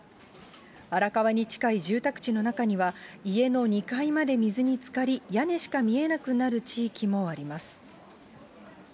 荒川に近い住宅地の中には、家の２階まで水につかり、屋根しか見えなくなる地域もあります。